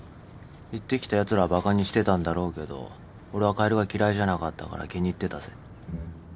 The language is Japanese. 言ってきたやつらはバカにしてたんだろうけど俺はカエルが嫌いじゃなかったから気に入ってたぜ。